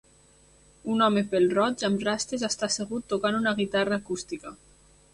Un home pèl-roig amb rastes està assegut tocant una guitarra acústica.